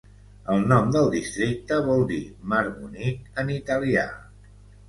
El nom del districte vol dir "mar bonic" en italià.